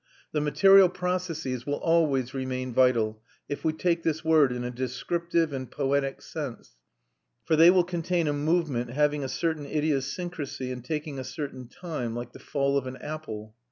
The material processes will always remain vital, if we take this word in a descriptive and poetic sense; for they will contain a movement having a certain idiosyncrasy and taking a certain time, like the fall of an apple.